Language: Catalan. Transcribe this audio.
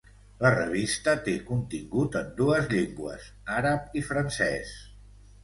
La revista té contingut en dues llengües, àrab i francès.